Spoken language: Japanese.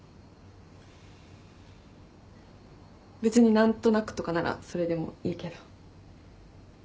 別に何となくとかならそれでもいいけど。